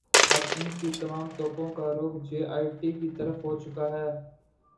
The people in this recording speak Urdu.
اب ان کی تمام توپوں کا رخ جے آئی ٹی کی طرف ہوچکا ہے۔